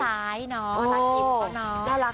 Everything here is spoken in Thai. เพราะอยู่ข้างซ้ายเนาะลักยิ้มของน้อง